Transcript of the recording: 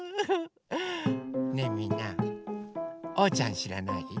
ねえみんなおうちゃんしらない？